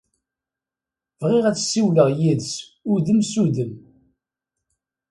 Bɣiɣ ad ssiwleɣ yid-s udem s udem.